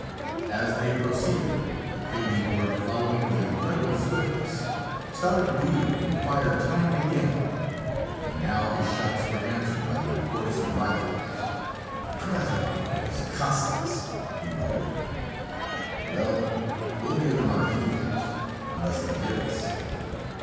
As they proceeded, the pigmy horde following with incredible swiftness, Stoddard wheeled and fired time and again and now his shots were answered by the reports of rifles. "Krassnov and his Cossacks!" he muttered. "Well, we'll give them our heels, unless they hit us."